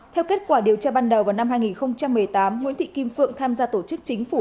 theo kết quả điều tra ban đầu vào năm hai nghìn một mươi tám nguyễn thị kim phượng tham gia tổ chức chính phủ